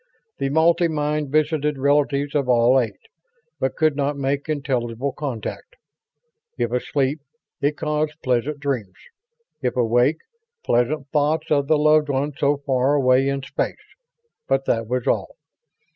The multi mind visited relatives of all eight, but could not make intelligible contact. If asleep, it caused pleasant dreams; if awake, pleasant thoughts of the loved one so far away in space; but that was all.